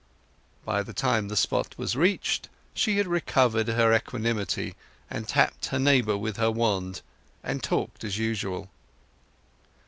By the time the spot was reached she had recovered her equanimity, and tapped her neighbour with her wand and talked as usual.